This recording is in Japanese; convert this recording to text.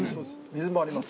水もあります。